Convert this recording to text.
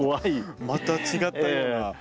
また違ったような。